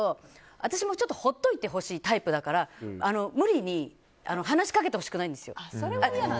私もちょっと放っておいてほしいタイプだから無理に話しかけてほしくないんです。